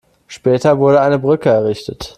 Später wurde eine Brücke errichtet.